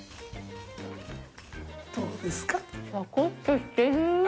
どうですか？